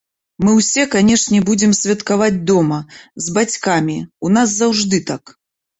Мы ўсе, канешне, будзем святкаваць дома, з бацькамі, у нас заўжды так.